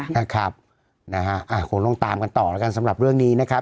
นะครับนะฮะคงต้องตามกันต่อแล้วกันสำหรับเรื่องนี้นะครับ